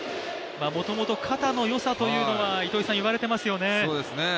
もともと肩の良さというのは言われていますよね？